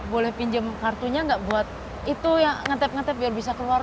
boleh pinjam kartunya nggak buat itu yang ngetep ngetep biar bisa keluar